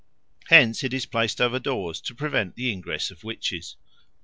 Hence it is placed over doors to prevent the ingress of witches.